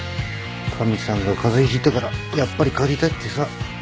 かみさんが風邪ひいたからやっぱり帰りたいってさ。